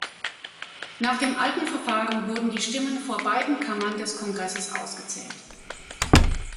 Nach dem alten Verfahren wurden die Stimmen vor beiden Kammern des Kongresses ausgezählt.